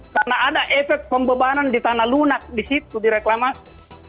karena ada efek pembebanan di tanah lunak di situ di reklamasi